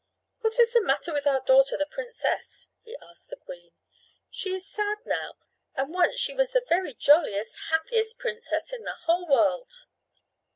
"What is the matter with our daughter, the princess?" he asked the queen. "She is sad now, and once she was the very jolliest, happiest princess in the whole world."